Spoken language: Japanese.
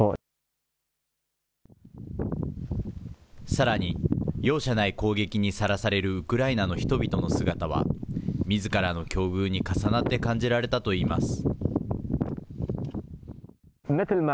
さらに、容赦ない攻撃にさらされるウクライナの人々の姿は、みずからの境遇に重なって感じられたといいます。